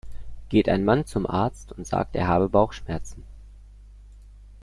Geht ein Mann zum Arzt und sagt, er habe Bauchschmerzen.